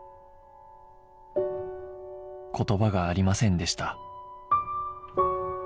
言葉がありませんでした